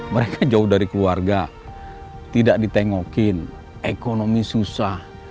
mereka jauh dari keluarga tidak ditengokin ekonomi susah